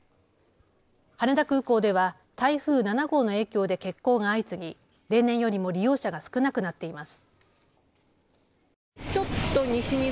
羽田空港では台風７号の影響で欠航が相次ぎ、例年よりも利用者が少なくなっています。